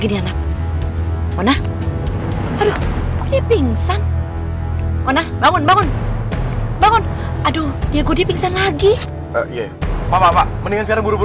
mona kita mau kesekian water